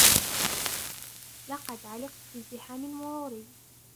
لقد علقت في ازدحام مروري.